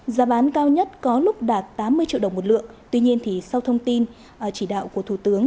giá bán cao nhất có lúc đạt tám mươi triệu đồng một lượng tuy nhiên sau thông tin chỉ đạo của thủ tướng